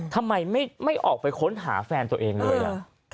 ทำไมไม่ออกไปค้นหาแฟนตัวเองเลยล่ะ